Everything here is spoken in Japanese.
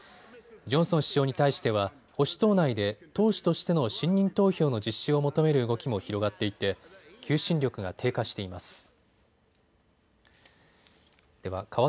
ジョンソン首相に対しては保守党内で党首としての信任投票の実施を求める動きも広がっていて求心力が低下しています。